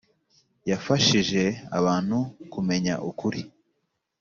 Yafashije abantu kumenya ukuri